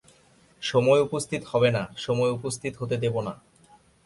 সময় উপস্থিত হবে না, সময় উপস্থিত হতে দেব না।